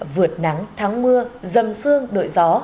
vượt nắng thắng mưa dầm sương đổi gió